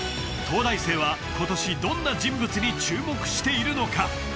東大生は今年どんな人物に注目しているのか？